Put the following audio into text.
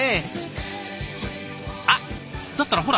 あっだったらほら